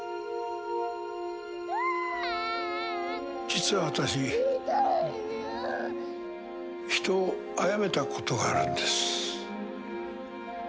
実は私人をあやめたことがあるんです。